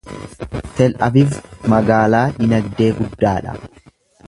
Tel Aviv magaalaa dinagdee guddaa dha.